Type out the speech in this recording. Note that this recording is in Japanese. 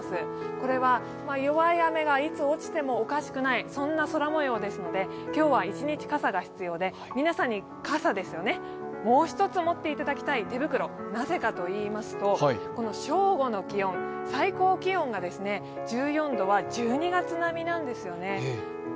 これは弱い雨がいつ落ちてもおかしくないそんな空もようですので今日は一日、傘が必要で、もう１つ持っていただきたい手袋、なぜかと言いますと正午の気温、最高気温が１４度は１２月並みなんですよね。